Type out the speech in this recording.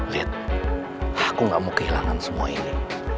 liat aku nggak mau kehilangan semua ini